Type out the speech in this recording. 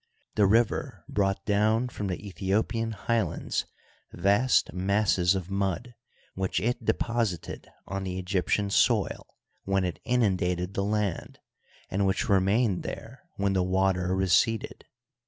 The river brought down from the Ethio pian highlands vast masses of mud, which it deposited on the Egyptian soil when it inundated the land, and which remained there when the water receded.